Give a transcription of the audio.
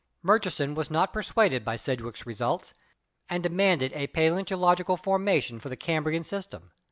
Murchison was not persuaded by Sedgwick's results and demanded a paleontological foundation for the Cambrian system.